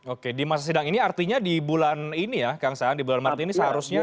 oke di masa sidang ini artinya di bulan ini ya kang saan di bulan maret ini seharusnya